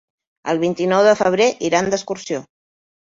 El vint-i-nou de febrer iran d'excursió.